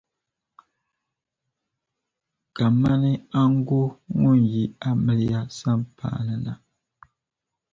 kaman aŋgo ŋun yi amiliya sampaa ni na.